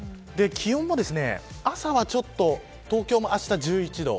気温も、朝は東京もあした１１度。